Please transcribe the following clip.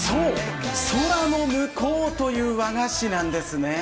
空ノムコウという和菓子なんですね。